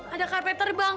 ada karpet terbang